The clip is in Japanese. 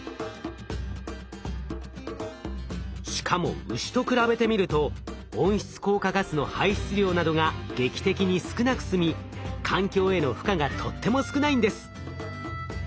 しかも牛と比べてみると温室効果ガスの排出量などが劇的に少なくすみ環境への負荷がとっても少ないんです。